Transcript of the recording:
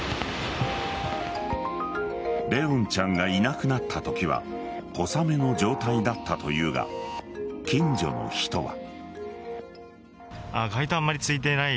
怜音ちゃんがいなくなったときは小雨の状態だったというが近所の人は。